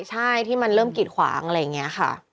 ใช่ที่มันเริ่มกิดขวางอะไรอย่างนี้ค่ะ